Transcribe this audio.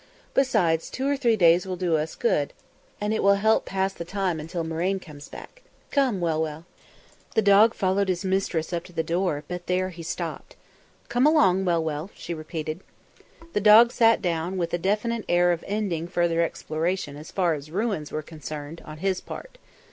Besides, two or three days will do us good, and it will help pass the time until Marraine comes back. Come, Well Well." The dog followed his mistress up to the door, but there he stopped. "Come along, Well Well," she repeated. The dog sat down, with a definite air of ending further exploration as far as ruins were concerned, on his part.